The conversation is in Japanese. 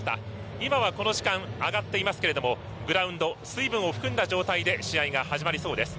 今は、この時間上がっていますけれどもグラウンド、水分を含んだ状態で試合が始まりそうです。